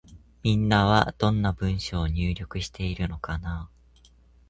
みんなは、どんな文章を入力しているのかなぁ。